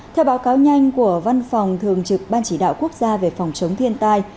theo báo cáo nhanh của văn phòng thường trực ban chỉ đạo quốc gia về phòng chống thiên tai